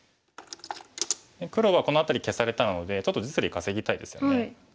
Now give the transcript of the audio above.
黒はこの辺り消されたのでちょっと実利稼ぎたいですよね。